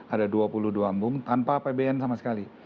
ada dua puluh dua embung tanpa apbn sama sekali